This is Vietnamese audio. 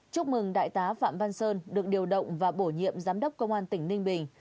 chúc mừng đại tá phạm văn sơn được điều động và bổ nhiệm giám đốc công an tỉnh ninh bình